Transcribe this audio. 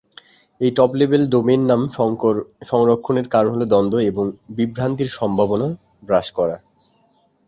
এই top level domain নাম সংরক্ষণের কারণ হলো দ্বন্দ্ব এবং বিভ্রান্তির সম্ভাবনা হ্রাস করা।